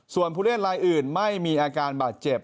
ส่วนผู้เล่นรายอื่นไม่มีอาการบาดเจ็บ